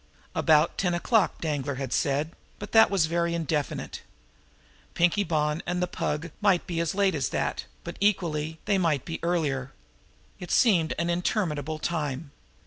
"About ten o'clock," Danglar had said but that was very indefinite. Pinkie Bonn and the Pug might be as late as that; but, equally, they might be earlier! It seemed an interminable time.